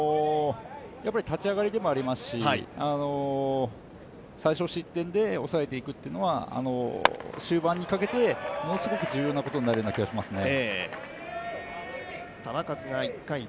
立ち上がりでもありますし最少失点で抑えていくというのは終盤にかけてものすごく重要になることのような気がしますね。